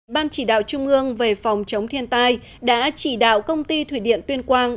ban chỉ đạo trung ương về phòng chống thiên tai đã chỉ đạo công ty thủy điện tuyên quang